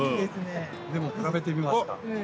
でも比べてみますか。